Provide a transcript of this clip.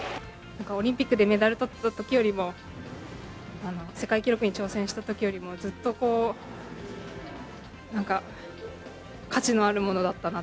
なんかオリンピックでメダルとったときよりも、世界記録に挑戦したときよりも、ずっと価値のあるものだったな。